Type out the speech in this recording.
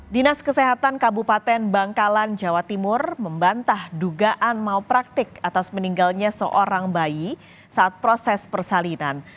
dinas kesehatan kabupaten bangkalan jawa timur membantah dugaan mau praktik atas meninggalnya seorang bayi saat proses persalinan